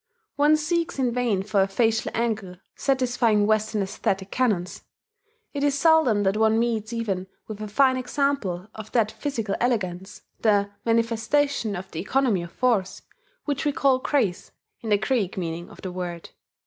One seeks in vain for a facial angle satisfying Western aesthetic canons. It is seldom that one meets even with a fine example of that physical elegance, that manifestation of the economy of force, which we call grace, in the Greek meaning of the word.